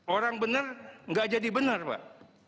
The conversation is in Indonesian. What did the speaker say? orang bener gak jadi bener pak